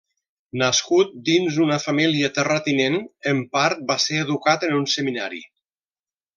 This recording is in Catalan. Nascut dins una família terratinent, en part va ser educat en un seminari.